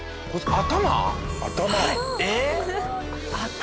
頭！